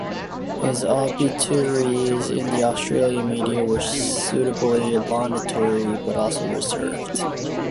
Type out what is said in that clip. His obituaries in the Australian media were suitably laudatory, but also reserved.